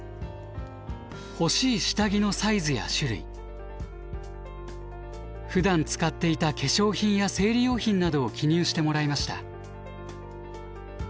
欲しい下着のサイズや種類ふだん使っていた化粧品や生理用品などを記入してもらいました。